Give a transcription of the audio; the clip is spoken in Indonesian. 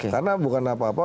karena bukan apa apa